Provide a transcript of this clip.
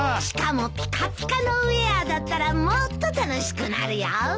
しかもピカピカのウエアだったらもっと楽しくなるよ。